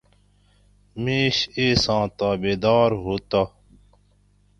مِیش اِیساں تابعدار ہُو تہ